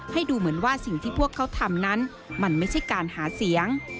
ให้ดูเหมือนว่าสิ่งที่พวกเขาทำนั้นมันไม่ใช่การหาเสียง